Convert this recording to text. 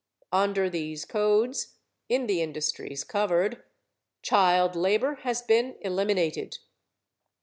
Under these codes, in the industries covered, child labor has been eliminated.